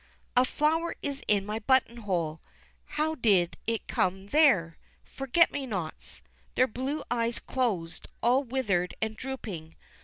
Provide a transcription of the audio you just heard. A flower is in my button hole. How did it come there? Forget me nots; their blue eyes closed, all withered and drooping.